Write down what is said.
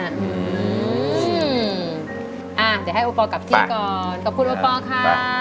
เดี๋ยวให้โอปอล์กลับที่ก่อน